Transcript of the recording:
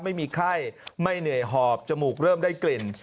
ไม่มีไข้ไม่เหนื่อยหอบจมูกเริ่มได้กลิ่น